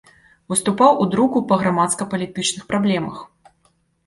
Выступаў у друку па грамадска-палітычных праблемах.